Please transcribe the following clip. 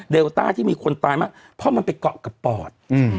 ต้าที่มีคนตายมากเพราะมันไปเกาะกับปอด